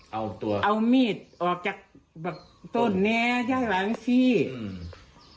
เอาตัวเอามีดออกจากแบบต้นเนี้ยข้างหลังสิอืม